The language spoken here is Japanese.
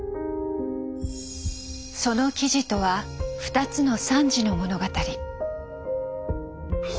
その記事とは「二つの惨事の物語」。